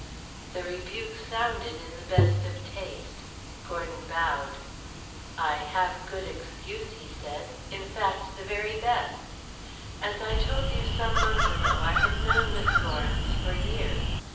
The rebuke sounded in the best of taste. Gordon bowed. "I have a good excuse," he said, "in fact, the very best. As I told you some months ago, I have known Miss Lawrence for years.